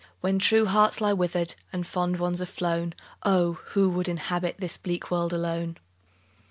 When true hearts lie wither'd, And fond ones are flown, Oh ! who would inhabit This bleak world alone